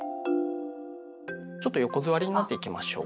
ちょっと横座りになっていきましょうか。